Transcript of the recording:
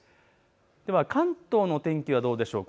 関東の天気はどうでしょうか。